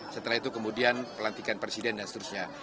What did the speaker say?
setelah itu kemudian pelantikan presiden dan seterusnya